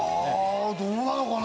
どうなのかな？